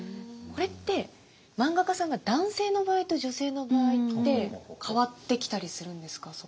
これって漫画家さんが男性の場合と女性の場合って変わってきたりするんですか？